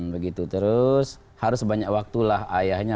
begitu terus harus banyak waktulah ayahnya